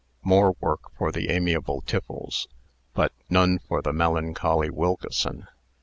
More work for the amiable Tiffles, but none for the melancholy Wilkeson.